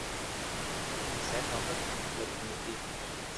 He sat on the Kent club committee.